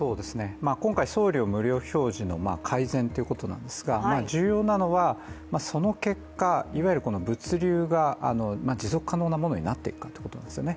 今回、送料無料表示の改善ということなんですが重要なのはその結果、いわゆる物流が持続可能なものになっていくかということですね